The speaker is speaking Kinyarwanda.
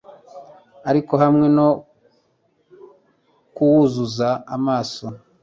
Ariko hamwe no kwuzuza amaso